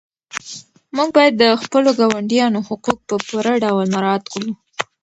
موږ باید د خپلو ګاونډیانو حقوق په پوره ډول مراعات کړو.